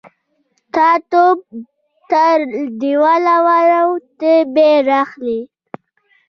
_تا توپ تر دېوال واړاوه، ته به يې را اخلې.